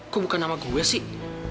aku bukan nama gue sih